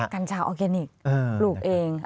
กัญชาออร์แกนิคปลูกเอง